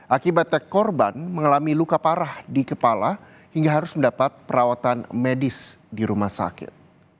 akibatnya korban mengalami luka parah di kepala hingga harus mendapat perawatan medis di rumah sakit